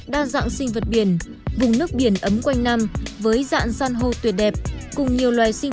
đa dạng sinh vật biển vùng nước biển ấm quanh năm với dạng san hô tuyệt đẹp cùng nhiều loài sinh